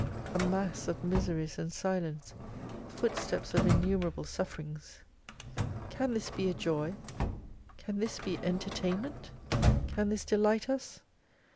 A mass of miseries and silence, footsteps of innumerable suffer mgs ! Can this be a joy ? Can this be an entertain ment? Can this delight us?